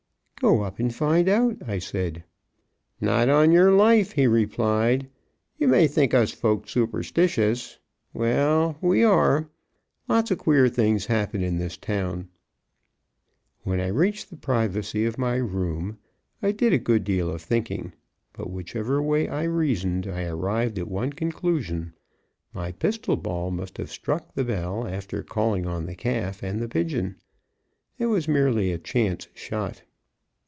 "Go up and find out," I said. "Not on yer life," he replied. "You may think us folks superstitious well, we are. Lots of queer things happen in this town." When I reached the privacy of my room, I did a good deal of thinking; but whichever way I reasoned I arrived at one conclusion. My pistol ball must have struck the bell after calling on the calf and the pigeon. It was merely a chant's shot.